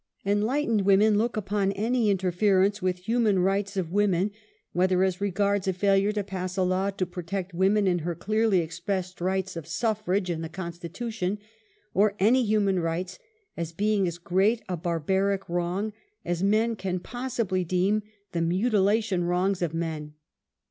Enlightened women look upon any interference with human rights of women, whether as regards a failure to pass a law to protect woman in her clearly expressed right of suffrage in the Constitution, or any human rights, as being as great a barbaric w^ng, as men can possibly deem the mutilation wrongs of men.